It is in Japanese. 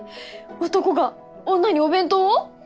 男が女にお弁当を？